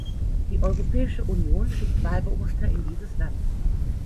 Die Europäische Union schickt Wahlbeobachter in dieses Land.